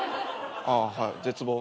ああはい絶望。